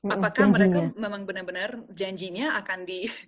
apakah mereka memang benar benar janjinya akan di